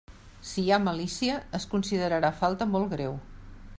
Si hi ha malícia, es considerarà falta molt greu.